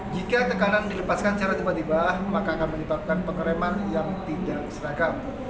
jika tekanan dilepaskan secara tiba tiba maka akan menyebabkan pengereman yang tidak seragam